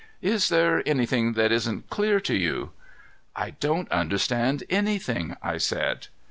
"Is there anything that isn't clear to you?" "I don't understand anything," I said.